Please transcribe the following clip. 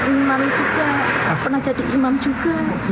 imam juga pernah jadi imam juga